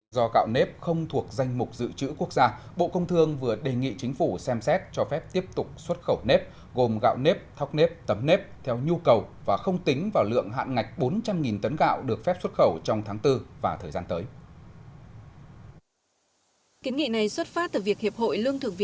do gạo nếp không thuộc danh mục dự trữ quốc gia bộ công thương vừa đề nghị chính phủ xem xét cho phép tiếp tục xuất khẩu nếp gồm gạo nếp thóc nếp tấm nếp theo nhu cầu và không tính vào lượng hạn ngạch bốn trăm linh tấn gạo được phép xuất khẩu trong tháng bốn và thời gian tới